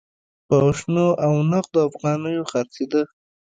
په شنو او نغدو افغانیو خرڅېده.